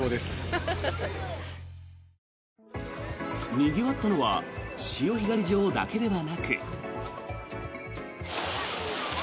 にぎわったのは潮干狩り場だけではなく。